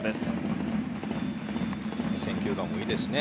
選球眼もいいですしね。